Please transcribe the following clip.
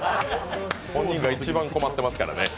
本人が一番困ってますからね。